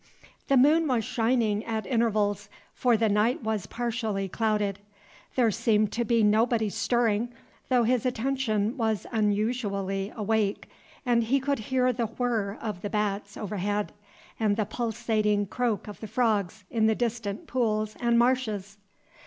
The moon was shining at intervals, for the night was partially clouded. There seemed to be nobody stirring, though his attention was unusually awake, and he could hear the whirr of the bats overhead, and the pulsating croak of the frogs in the distant pools and marshes.